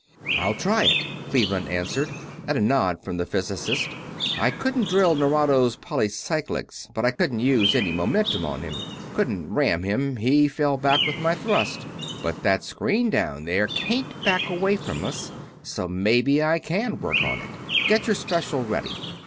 "I'll try it," Cleveland answered, at a nod from the physicist. "I couldn't drill Nerado's polycyclics, but I couldn't use any momentum on him. Couldn't ram him he fell back with my thrust. But that screen down there can't back away from us, so maybe I can work on it. Get your special ready.